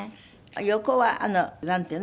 横はなんていうの？